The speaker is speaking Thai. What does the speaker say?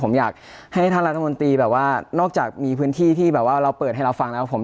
ผมอยากให้ท่านรัฐมนตรีแบบว่านอกจากมีพื้นที่ที่แบบว่าเราเปิดให้เราฟังแล้วผม